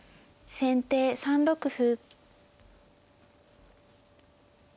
先手３六歩。